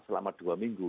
selama dua minggu